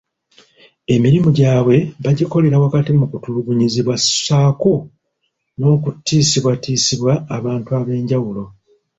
Emirimu gyabwe bakikolera wakati mu kutulugunyizibwa ssaako n'okutiisibwatiisibwa abantu ab'enjawulo.